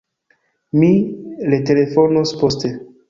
Mi retelefonos poste.